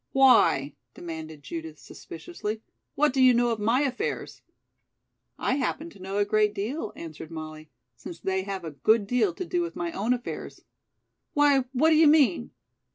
"Why?" demanded Judith suspiciously. "What do you know of my affairs?" "I happen to know a great deal," answered Molly, "since they have a good deal to do with my own affairs." "Why, what do you mean?"